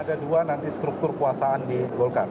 ada dua nanti struktur kekuasaan di golkar